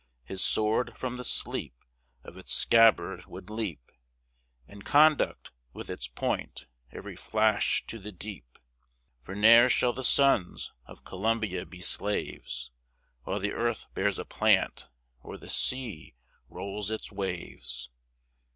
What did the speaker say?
His sword from the sleep Of its scabbard would leap, And conduct, with its point, every flash to the deep! For ne'er shall the sons of Columbia be slaves, While the earth bears a plant, or the sea rolls its waves.